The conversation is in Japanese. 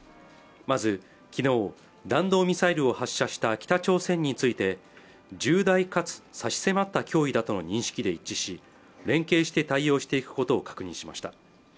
まずきのう弾道ミサイルを発射した北朝鮮について重大かつ差し迫った脅威だとの認識で一致し連携して対応していくことを確認しました